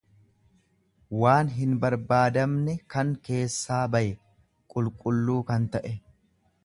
waan hinbarbaadamne kan keessaa baye, qulqulluu kan ta'e.